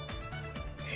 え？